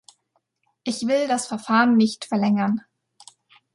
Ich will das Verfahren nicht verlängern.